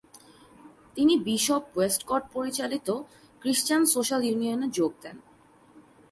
তিনি bishop Westcott পরিচালিত Christian social ইউনিয়নে যোগ দেন।